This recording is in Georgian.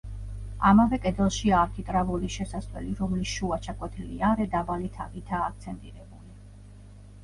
ამავე კედელშია არქიტრავული შესასვლელი, რომლის შუა, ჩაკვეთილი არე დაბალი თაღითაა აქცენტირებული.